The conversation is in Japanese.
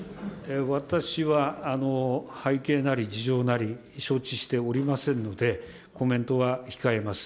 私は背景なり、事情なり、承知しておりませんので、コメントは控えます。